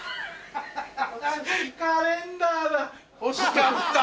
欲しかった！